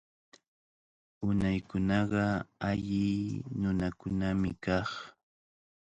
Unaykunaqa alli nunakunami kaq.